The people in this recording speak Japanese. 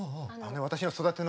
私の育ての親の。